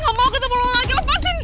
gue gak mau ketemu lo lagi lepasin